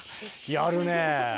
やるねぇ。